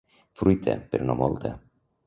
Fruita, però no molta.